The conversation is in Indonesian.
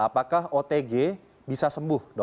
apakah otg bisa sembuh dok